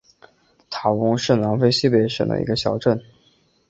塔翁是南非西北省的一个小镇。